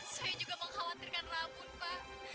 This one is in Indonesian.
saya juga mengkhawatirkan rambut pak